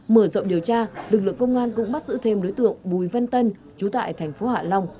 mở rộng điều tra lực lượng công an cũng bắt giữ thêm đối tượng bùi văn tân chú tại thành phố hạ long